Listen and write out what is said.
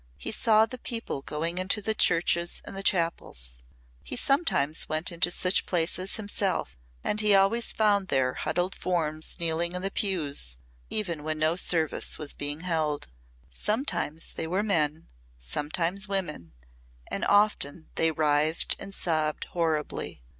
He saw the people going into the churches and chapels. He sometimes went into such places himself and he always found there huddled forms kneeling in the pews, even when no service was being held. Sometimes they were men, sometimes women, and often they writhed and sobbed horribly.